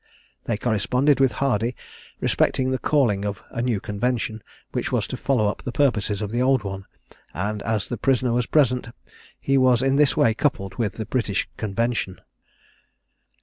They corresponded with Hardy respecting the calling of a new Convention, which was to follow up the purposes of the old one; and, as the prisoner was present, he was in this way coupled with the British Convention.